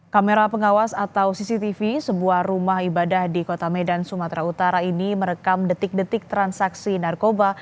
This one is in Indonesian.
kamera pengawas atau cctv sebuah rumah ibadah di kota medan sumatera utara ini merekam detik detik transaksi narkoba